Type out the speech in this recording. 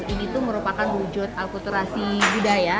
ini tuh merupakan wujud akulturasi budaya